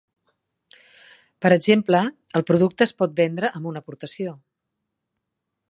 Per exemple, el producte es pot vendre amb una aportació.